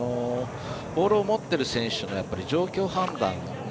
ボールを持ってる選手というのは状況判断の